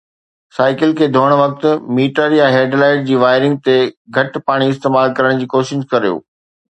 cycle کي ڌوئڻ وقت، ميٽر يا هيڊ لائيٽ جي وائرنگ تي گهٽ پاڻي استعمال ڪرڻ جي ڪوشش ڪريو